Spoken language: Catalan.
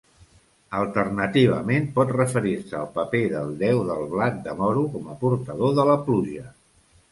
Alternativament, pot referir-se al paper del déu del blat de moro com a portador de la pluja.